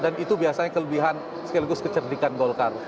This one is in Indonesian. dan itu biasanya kelebihan sekaligus kecerdikan golkar